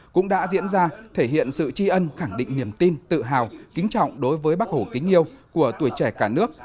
cũng đã diễn ra thể hiện sự tri ân khẳng định niềm tin tự hào kính trọng đối với bác hổ kính yêu của tuổi trẻ cả nước